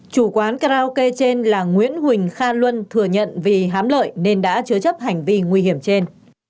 chủ quán karaoke trên là nguyễn huỳnh kha luân thừa nhận vì hám lợi nên đã chứa chấp hành vi nguy hiểm trên